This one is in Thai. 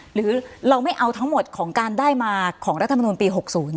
หรือเราไม่เอาทั้งหมดของการได้มาของรัฐมนุนปี๖๐